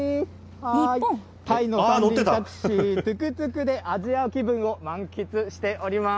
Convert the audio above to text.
タイの三輪タクシー、トゥクトゥクでアジア気分を満喫しております。